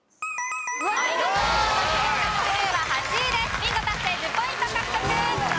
ビンゴ達成１０ポイント獲得！